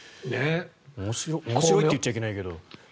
面白いって言っちゃいけないけど。